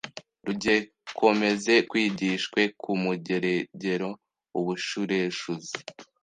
rugekomeze kwigishwe ku mugeregero ubushureshuzi